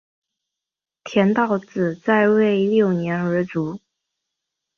田悼子在位六年而卒。